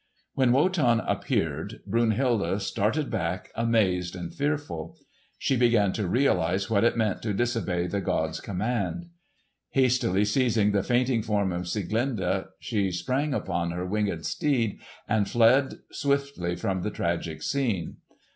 When Wotan appeared, Brunhilde started back amazed and fearful. She began to realise what it meant to disobey the god's command. Hastily seizing the fainting form of Sieglinde she sprang upon her winged steed and fled swiftly from the tragic scene.